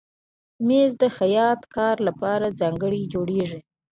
مېز د خیاط کار لپاره ځانګړی جوړېږي.